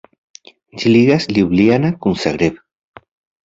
Ĝi ligas Ljubljana kun Zagreb.